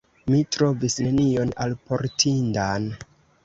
Mi trovis nenion alportindan.